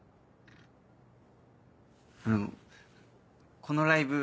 あのこのライブ